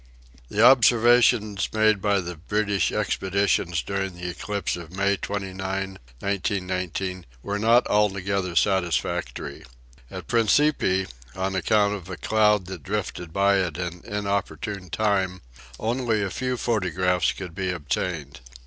The observations made by the British expeditions during the eclipse of May 29, 19 19, were not altogether satisfactory. At Principe, on account of a cloud that drifted by at an inopportune time, only a few photo graphs could be obtained.